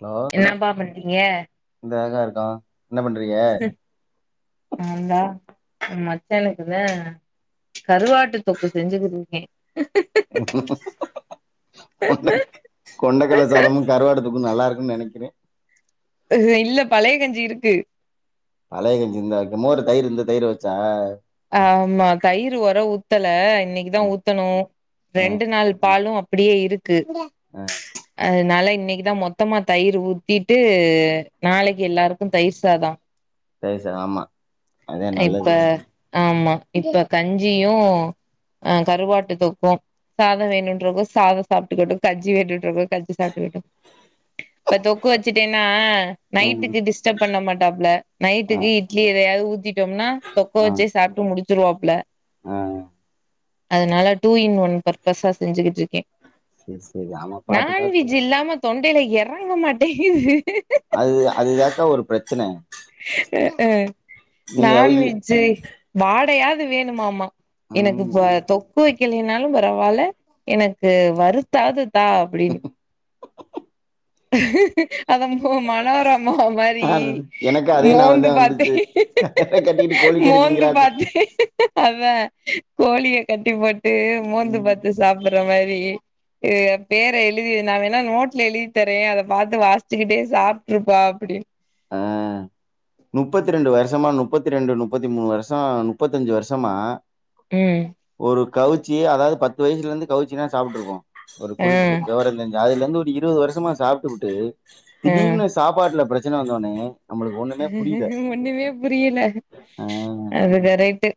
Hello சொல்லுங் என்னப்பா பண்றீங்க இந்த அழகா இருக்கா என்ன பண்றீங்க நந்தா மச்சனக்குதா கருவாட்டு தொக்கு செஞ்சு குடுக்கே கொண்ட கொண்டக்கல்ல சாதமு கருவாடு தொக்கு நல்லா இருக்குன் நெனைக்கிறே இல்ல பழைய கஞ்சி இருக்கு பழைய கஞ்சி இருந்தாகா மோரு தயிரு இருந்தா தயிரு வெச்சா ஆமா தயிர் உர ஊத்தல இன்னைக்கு ஆ தான் ஊத்தணு ஆ ரெண்டு நாள் பாலும் அப்படியே இருக் கு ஆ அதனால இன்னைக் அதா மொத்தமா தயிர் ஊத்திட்டு நாளைக்கு எல்லாருக்கு தயிர் சாத தயிர் சாத ஆமா அதே இப்ப நல்லது ஆமா இப்ப கஞ்சியு ஆ கருவாட்டு தொக்கும் சாத வேணுன்றவங்க சாத சாப்டுக்கிட்டம் கஞ்சி வேணுன்றவங்க கஞ்சி சாப்டுக்கிட்டம் இப்ப தொக்கு வெச்சுட்டேன்னா ம் நைட்டுக்கு டிஸ்டப் பண்ண மாட்டாப்புல நைட்டுக்கு ஆ இட்லி எதையாவது ஊத்தி னா தொக்கு ஆ வெச்சி சாப்டு முடிச்சிருவாப்ல ஆ அதனால டூ இன் ஒன் பர்பஸா செஞ்சுகிட்டு இருக்கே செரி செரி ஆமா பாத்து பாத் ஜீல்லாம தொண்டையில இறங்க மாட்டங்குது அது அதுதாக்கா ஒரு பிரச்சன அ ஆ நீங்க நான் ஒய் வெஜ்ஜு வாடையாவது வேணுமாமா எனக்கு ம் இப்ப தொக்கு வெக்கலைனாலு பரவாயில்ல எனக்கு வறு த்தாதுதா அப்டின் அத ஓ மனோரமா மாரி அது எனக்கு அதே மோந்து நாவந்தா பாத்தே வந்துச்சு கயிற கட்டிக்கிட்டு கோழிக்கறி மோந்து திங்கிறாங்க பாத் அதா கோழிய கட்டி போட்டு மோந்து ம் பாத்து சாப் ற மாரி இவக பேர எழுதி நா வேணா நோட்ல எழுதி தரே அத பாத்து வாசிச்சுக்கிட்டே சாப்ருப்பா அப்படின் ஆ நுப்பத்தி ரெண்டு வருஷமா நுப்பத்தி ரெண்டு நுப்பத்தி மூணு வருஷோ நுப்பத்தி அஞ்சு வருஷமா ம் ஒரு கவுச்சி அதாது பத்து வயசுல இருந்து கவுச்சினா சாப்ட்டு இருப்போ ஒரு ஆ குறிப்பிட்ட வெவர தெரிஞ்ச அதுல இருந்து ஒரு இருவது வருஷமா சாப்டுபுட்டு ஆ திடீர்னு சாப்பாட்ல பிரச்சன வந்த உன்னே நம்மளுக் ஒண்ணுமே புரியல ஒண்ணுமே புரியல ஆ அது கரைட்டு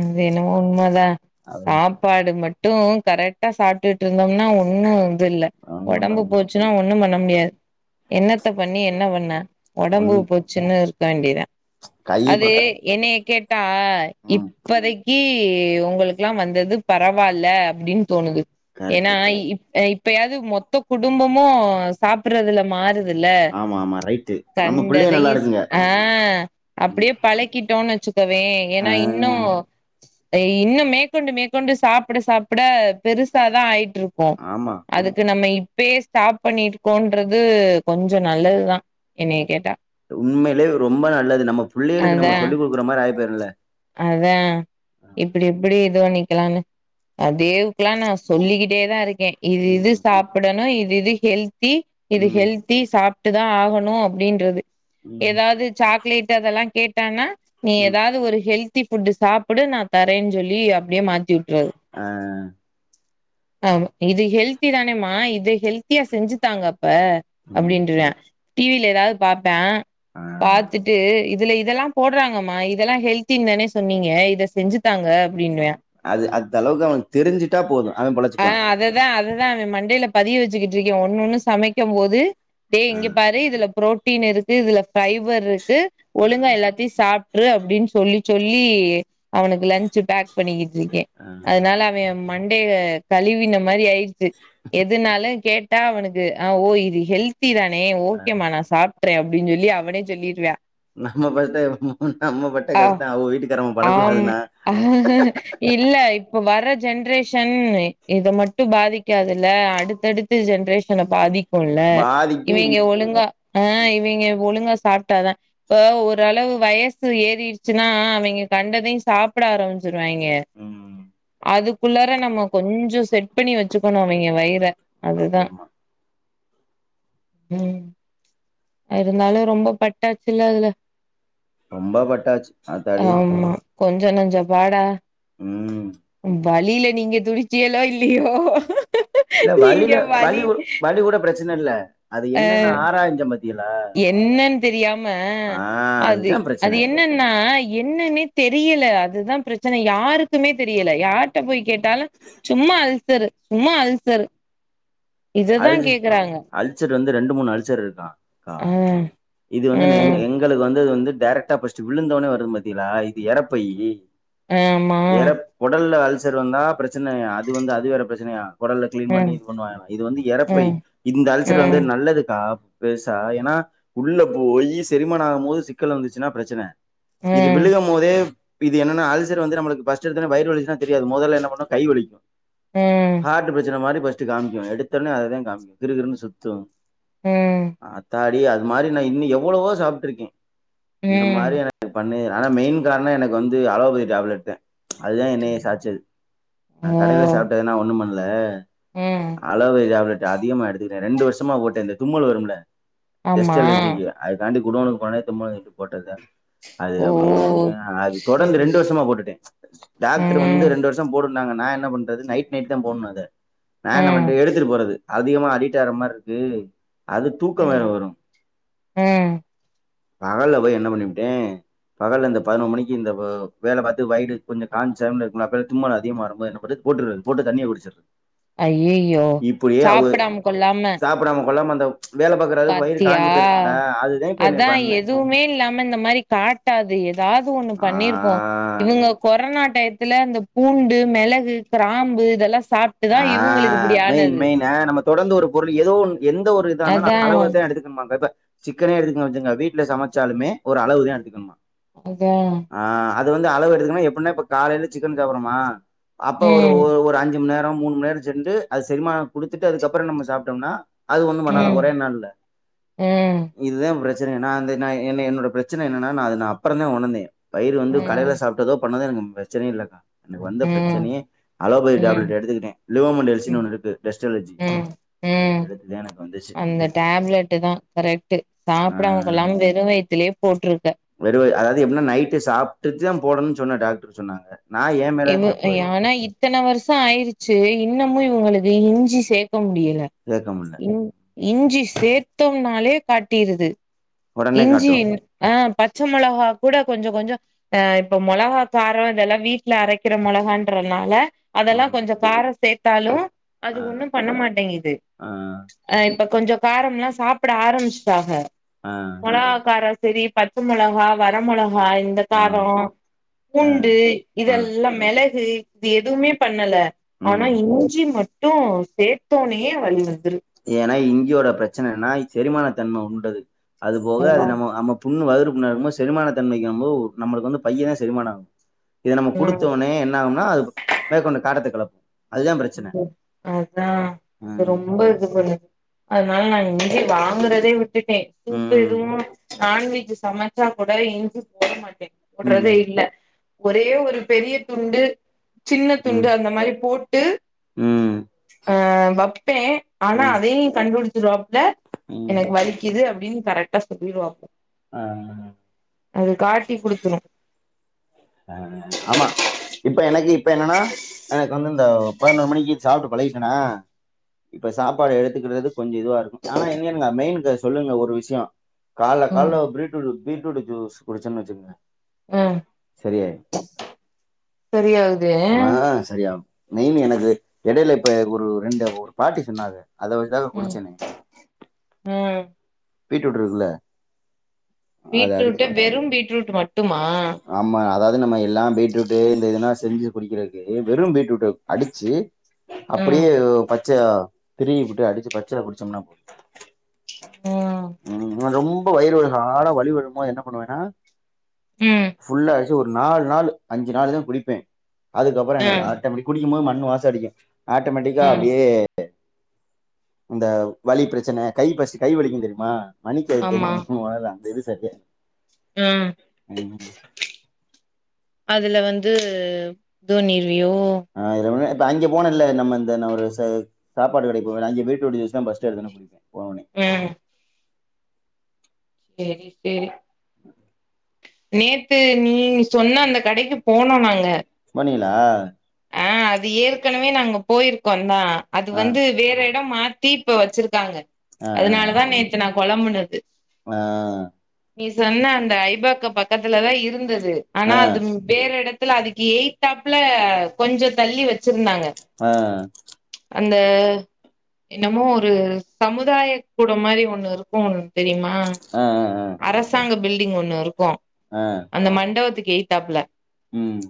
அது என்னவோ உண்மதா அது சாப் பாடு மட்டு கரெக்டா சாப்டுட்டு இருந்தோம்னா ஒன்னு இது இல்ல ஒன்னு ஒடம்பு பண்ணல போச் சுனா ஒண்ணு பண்ண முடியாது என்னத்த பண்ணி என்ன பண்ண ஒன் ஒடம்பு உச்சுன்னு இருக்க வேண்டியதா கை அது பக்க என்னைய கேட் டா ம் இப்பதைகி உங்குளுக் லா வந்தது பரவால்ல அப்டின் தோணுது ஏனா கரெக்ட்டு இப் இப் பயாது மொத்த குடும்பமு சாப்பறதுல மாறு துல ஆமா ஆமா ரைட்டு நம்ம கண்ட புள்ளைக நல்லா [unintelligible] இருக்குங்க ஆ அப்டியே பழக்கிட்டோம்ன் வெச்சுக்கவே ஆ ஏனா இன்னு இன்னு மேற்கொண்டு மேற்கொண்டு சாப்பட சாப்பட பெருசாதா ஆயிட்டு இருக்கு ஆமா அதுக்கு நம்ம இப்பயே ஸ்டாப் பண்ணிருக்கோன்றது கொஞ்ச நல்லதுதா என்னையக் கேட்டா உண்மையிலே ரொம்ப நல்லது நம்ம புள்ளைகளுக்கு நம்ம சொல்லி குடுக்குற மாரி ஆயி போயிருல அதா இப்டி இப்டி இது பண்ணிக்கலானு அ தேவ்க்லா நா சொல்லிக்கிட்டே தா இருக்கே இது இது ம் சாப் பிடணு இது இது ஹெல்த்தி இது ம் ஹெல்த்தி சாப்ட்டு தா ஆகணு அப்டின்றது ம் எதாது சாக்லேட் அதெல்லா கேட்டான்னா நீ ம் எதாது ஒரு ஹெல்தி ஃபுட் சாப்புடு நா தரேன்னு சொல்லி அப்டியே மாத்தி வுட்றது ஆ ஆம இது ஹெல்த்தி தானேமா இது ஹெல்த்தியா செஞ்சுத்தாங்க அப்ப ம் அப்டின்றே டீ வில ஏதாது பாப்பே ஆ பாத்துட்டு இதுல இதெல்லா போடுறாங்கம்மா இதெல்லா ஹெல்த்தி தானே சொன்னீங்க இத செஞ்சுத்தாங்க அப்டின்னுவே அது அந்த அளவுக்கு அவ தெரிஞ்சுட்டா போது அவ பொழச்சுக்குவா அதா அததா அவ மண்டைல பதிய வச்சுக்கிட் இருக்கே ஒன்னு ஒண்ணு சமைக்கு போது டே ஆ இங்க பாரு இதுல புரோட்டீன் இருக்கு இதுல ஃபைபர் இருக்கு ஆ ஒழுங்கா எல்லாத்தையு சாப் ட்ரு அப்டின்னு சொல்லி சொல்லி அவனுக்கு லன்ச் பேக் பண்ணிக்கிட்டு இருக்கே ஆ அதனால அவ மண்டைல கழிவின மாரி ஆயிருச்சு எதுனாலு கேட் ட்டா அவனுக்கு ஆ ஓ இது ஹெல்த்தி தானே ஆ. ஓகேம்மா நா சாப்பிட்டறே அப்டின்னு சொல்லி அவனே சொல்லிருவா நம்ம பட் நம்ம பட்ட ஆ கஷ்டோ அவ வீட்டுக்காரம ஆம் படக்கூடாதுன்னா இல்ல இப்ப வர ஜென்ரேஷன் இத மட்டு பாதிக்காதுல்ல அடுத்தடுத்த ஜென்ரேஷன பாதிக் குல்ல பாதிக்கு இவிங்க ஒழுங்கா ஆ இவிங்க ஒழுங்கா சாப்ட்டாதா இப்ப ஓரளவு வயசு ஏறிருச்சுன்னா அவிங்க கண்டதையு சாப்ட ஆரம்பிச்சுருவாயிங்க ம் அதுக்குல்லார நம்ம கொஞ் செட் பண்ணி வெச்சுக்கணு அவிங்க வயிற அதுதா ம் இருந்தாலு ரொம்ப பட்டாச்சு இல்ல அதுல ரொம்ப பட்டாச்சு ஆத்தாடி ஆமா கொஞ்ச நஞ்ச பாடா ம் வலில்ல நீங்க துடிச்சங்கோளோ இல்லையோ இல்ல வலில்ல வலி வலி கூட பிரச்சனை இல்ல அது என்னன்னு ஆராயிஞ்சன் பாத்திங்களா என்னன்னு தெரியாம அது அதுதா அது பிரச்சன என் என்னன்னா என்னன்னே தெரியல அதுதா பிரச்சனை யாருக்குமே தெரியல யார்கிட்ட போய் கேட்டாலு சும்மா அல்சரு சும்மா அல்சரு இததா அல் கேக்குறாங்க அல்சர் வந்து ரெண்டு மூணு அல்சர் இருக்கா அ ஆ இது வந்து நெங் ம் எங் களுக்கு வந்து வந்து டைரெக்டா ஃப்ர்ஸ்ட் விழுந்தோனே வரு பாத்தீங்களா இது எரைப்பையி ஆமா எரப் கொடல்ல அல்சர் வந்தா பிரச்சனயா அது வந்து அது வேற பிரச்சனையா கொடல்ல கிளீன் பண்ணி ம் இது பண்ணுவாங்கலம் இது வந்து எரைப்பை ம் இந்த அல்சர் வந்து ம் ன நல்லதுக்கா பெருசா ஏன்னா உள்ள போய் செரிமானோ ஆகும் போது சிக்கல் வந்துச்சுன்னா பிரச்சனை இது ம் விழுகம் போதே இது என்னன்ன அல்சர் வந்து நம்மளுக்கு ஃபர்ஸ்ட் எடுத்த உடனே வயிறு வலிச்சுச்சுனா தெரியாது மொதல்ல என்ன பண்ணுனா கை வலிக்கு ம் ஹார்ட் பிரச்சனை மாரி ஃபஸ்ட் காமிக்கு எடுத்தோடனே அததா காம் கிறுகிறுன்னு சுத்தும் ம் அத்தாடி அது மாரி நா இன்னு எவ்ளவோ சாப்பிட்டு இருக்கே இந்த ம் மாரி எனக்கு கு பண்ணு ஆனா மெயின் காரண எனக்கு வந்து அலோபதி டேப்லெட் தா அதுதா என்னைய சாச்சது நா கடையில ஓ சாப்பிட்டதுன்னா ஒண்ணு பண்ணல ம் அலோபதி டேப்லெட் அதிகமாக எடுத்துக்கிட்டே ரெண்டு வருஷமா போட்டே இந்த தும்மல் வரும்ல டர்ஸ்ட் ஆமா அலர்ஜிக்கு அது தாண்டி குடேனுக்கு [unintelligible] போட்ட தான் அது ஓ அப்டியே அது தொடர்ந்து செரி ரெண்டு செ வருஷமா போட்டுட்டே டாக்டர் வந்து ம் ரெண்டு வரு ஷம் போடுனாங்க நா என்ன பண்றது நைட் நைட் தா போடணு அத நா என்ன பண் ம் போறது அதிகமா அடிட் ஆகுற மாரி இருக்கு அது தூக்க வேற வரும் ம் பகல்ல போய் என்ன பண்ணிபுட்டே பகல்ல இந்த பதிணெரு மணிக்கு இந்த வேல பாத்து வயல் கொஞ்ச காஞ்ச டைம்ல இருக்கணும் அப்ப தும்மல் அதிகமா வரும்போது என்ன பண்றது போட்டுறது போட்டு தண்ணிய குடிச்சிருறது அய்யயோ சாப்டாம கொல்லாம சாப்டாம கொல்லாம அந்த வேல பாக்குற அளவுக்கு வயிறு பாத்தியா காஞ்சு போயிருக்கும்ல அதுதான் இப்ப என்ன அதா பண்ணுது எதுவுமே இல்ல இந்த மாரி காட்டாது ஏதாது ஒண்ணு ஆ பண்ணிருப்போ இவங்க கொரோனா டையத் துலா இந்த பூண்டு மிளகு கிராம்பு இதெல்லா சாப் ஆ மெயின் மெயின் ஆ நம்ம தொடர்ந்து ஒரு பொருள் ஏதோ எந்த ஒரு இதா இருந்த அதா அளவுத்தா எடுத்து இப்ப சிக்கன எடுத்துக்கினா வச்சிகோங்க வீட்டுல சமைச்சாலுமே ஒரு அளவு தா எடுத்துக்கணுமா அதா ஆ அது வந்து அளவு எடுத்துக்கன்னா எப்டின்னா இப்ப காலையில சிக்கன் சாப்புறமா அப்ப ம் ஒரு அஞ்சு மண் நேரோ மூணு மணி நேரோ அது செரிமான குடுத்துட்டு அதுக்கப்பறோ நம்ம சாப்டம்னா அது ஒண்ணு பண்ணாதா ம் ஒரே நாள்ல ம் ம் இதுதா பிரசன்ன நா அந்த நா என்ன என்னோட பிரச்சன என்னன்னா நா அத நா அப்பற தா உணர்ந்தே வயிறு வந்து ம் கடையில சாப்பிட்டதோ பண்ணதோ எனக்கு பிரச்சனயே இல்லைக்கா எனக்கு வந்த பிரச்சனையே அலோபதி ம் டேப்லட் எடுத்துக்கிட்டே ம் லோமண்ட்ரசினு ஒன்னு இருக்கு டெஸ்ட் அலர்ஜி ம் அது ம் எடுத்துதா எனக்கு வந்துச்சு அந்த டேப்லெட் தா கரெக்ட்டு ஆ சாப்டாமா கொள்ளாம வெறு வயித்துலயே போட்ருக்க வெறு வயி அதாவது எப்டின்னா நைட்டு சாப்பிட்டு தா போடணும் சொன்ன டாக்டர் சொன்னாங்க நா ஏ மேலதா இது தப்பு நீ அது ஆனா [unintelligible] இத்தன வருஷம் ஆயிருச்சு இன்னமும் இவங்களுக்கு இஞ்சி சேக்க முடியல சேக்க முல்ல இஞ்சி சேர்த்தோம்னாலே காட்டிருது ஒடனே இஞ்சி காட்டு ஆ பச்ச மொளக கூட கொஞ்ச கொஞ்சோ ஆ இப்ப மொளகா காரம் இதெல்லா வீட் ல அரைக்கிற மொளகன்றதனால ஆ அதெல்லா கொஞ்ச காரோ சேத்தாலு அது ஆ ஒண்ணு பண்ண மாட்டேங்குது ஆ ஆ இப்ப கொஞ்ச காரம்ல்லா சாப்ட ஆரம்பிச்சிடங்க ஆ ல்லாக்கார செரி பச்ச மொளக வர மொளக இந்த ஆ காரம் ஆ பூண்டு ஆ இதெல்லா மெலகு இது எதுவுமே பண்ணல ம் ஆனா இஞ்சி மட் மட்டு சேர்த்தோனே வழி வந்துரு ஏன்னா இங்கேயோட பிரச்சனைனா செரிமான தன்ம உண்டது அது போக அது அதா நம்ம [unintelligible] புண்ணு வாகுறு புண்ண இருக்குபோது செரிமான தன்மைக்குபோ நமளுக்கு வந்து பைய தா செரிமான ஆகு இத நம்ம ம் கொடுத்தோனே என்ன ஆகும்னா அது மேற்கொண்டு காட்டத்த கிளப்பு இது அதா அது ம் ரொம்ப இது பண்ணு அதனால நா இஞ்சி வாங்குறதே விட்டுட்ட [unintelligible] ம் எதுவு நான்வெஜ் சமைச்சா கூட இஞ்சி போட மாட்டே போடுறதே ம் இல்ல ஒரே ஒரு பெரிய துண்டு சின்ன துண்டு ம் அந்த மாரி போட்டு ம் அ வைப்பே ஆனா ம் அதையு நீ கண்டுபிடித்துருவாப்ல ம் எனக்கு வலிக்குது அப்டின்னு கரெக்டா சொல்லிவாப்ள ஆ அது காட்டி குடுத்துரு அ ஆமா இப்ப எனக்கு இப்ப என்னன்னா எனக்கு வந்து இந்த பதினொரு மணிக்கு சாப்ட்டு பழகிட்டனா இப்ப சாப்பாடு எடுத்துக்கிறது கொஞ்சோ இதுவா இருக்கு ஆனா எ என்யேன்ங்க மெயின்க்கு சொல்லுங்க ஒரு விஷியோ கால்ல ம் கால்ல பிருட் ட்டுடூ பீட்ரூட் ஜூஸ் குடிச்சே வச்சுக்குங்க ம் சரியாயிரு சரியாகுது ஆ சரியாவு மெயின் எனக்கு எடையில இப்ப ஒரு ரெண்டு ஒரு பாட்டி சொன்னாக அத வச்சுதாக ம் குடிச்சன்னே ம் பீட்ரூட் இருக்குல்ல அதை அடிச்சு பீட்ரூட்டு வெறு பீட்ரூட் மட்டுமா ஆமா அதாவுது நம்ம எல்லா பீட்ரூட்டு் இந்த இதல்லா செஞ்சு குடிக்கிறதுக்கு வெறு பீட்ரூட் அடிச்சு ம் அப்டியே பச்ச திருகிவுட்டு அடிச்சு பச்சில குடிச்சோம்னா போது ம் ம் ரொம்ப வயிறு வழி ஹாடா வழி வறுபோ என்ன பண்ணுவேன்னா ம் ஃபுல்லா அடுச்சு ஒரு நாலு நாள் அஞ்சு நாள் தா குடிப்பே அதுக்கப்றோ அ எனக்கு ஆற் அப்டி குடிக்கு போது மண் வாசோ அடிக்கு ஆட்டோமேட்டிக்கா ம் அப்டியே இந்த வலி பிரச்சனை கை பஸ்டு கை வலிக்கு தெரியுமா மணிக்கு அது ஆமா தெரியு [unintelligible] ம் ம் அதுல வந்து தோணிர்வியோ ஆ இர மணி நே இப்ப அங்க போனனெல்ல நம்ம இந்த நா ஒரு சா சாப்பாடு கடைக்கு போவேல அங்கே பீட்ரூட் ஜூஸ்தா பஸ்ட்டு எடுத்துதோன்னே போவனே ம் சேரி சேரி நேத்து நீ சொன்ன அந்த கடைக்கு போனோ நாங்க போனிங்லா ஆ அது ஏற்கனவே நாங்க போயிருக்கோ தா அது ஆ வந்து வேற எடோ மாத் தி இப்ப வச்சிருக்காங்க ஆ அதனாலதா நேத்து நா கொழம்புனது ஆ நீ சொன்ன அந்த ஐபாக்கோ பக்கத்துலதா இருந்துது ஆ ஆனா ஆ அது வேற எடத்துல அதுக்கு எய்த்தாப்ல கொஞ்சோ தள்ளி வச்சிருந்தாங்க ஆ அந்த என்னமோ ஒரு சமுதாய கூட மாரி ஒண்ணு இருக்கு ஒன்னு தெரியுமா ஆ ஆ அரசாங்க பில்டிங் ஒண்ணு இருக்கு ஆ அந்த மண்டபத்துக்கு ஏய் தாப்ல ம்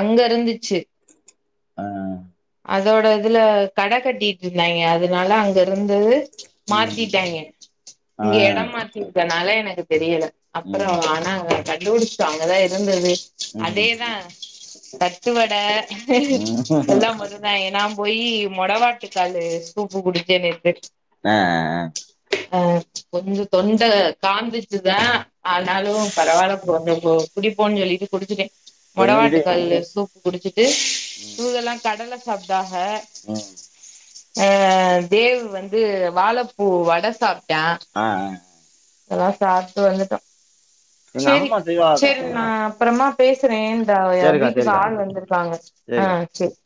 அங்க இருந்துச்சி ஆ அதோட இதுல கட கட்டிட்ருந்தாய்ங்க அதனால அங்கருந்தது ம் மாத்திட்டாய்ங்க ஆ இங்க எடோ மாத்தி இருக்கனால எனக்கு தெரியல அப்றோ ம் ஆனா நாங்க கண்டுபுடுச்ட்டோ அங்க தா இருந்தது அதே ம் தா த ட்டு வட ம் எல்லா மொறு னாய் நா போயி மொடவாட்டுக்காலு சூப்பு குடிச்சே நேத்து அ ஆ ஹ [inaudible] ஆ கொஞ்சொ தொண்ட காந்துச்சு தா ஆனாலு பரவால்ல போனக்கு குடிப்போன் சொல்லிட்டு குடிச்சிட்டே ஆ இது மொடவாட்டுக்கால் சூப் குடிச்சிட்டு ம் இவுகல்லா கடல சாப்டாக ம் ஆ தேவு வந்து வாழப்பூ வட சாப்ட்டா ஆ ஆ அதல்லா சாப்ட்டு வந்துட்டோ எங்க சேரி அம்மா செய்வாங்கக்கா சேரி நா அப்றமா பேசுறே இந்தா சரிக்கா வீட்டுக்கு சரிக்கா ஆள் வந்திருக்காங்க ஆ சரிக்கா சேர்